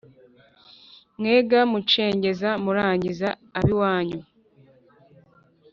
mwe ga mucengeza murangiza ab’i wanyu;